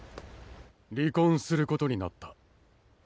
離婚することになった。